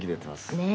「ねえ。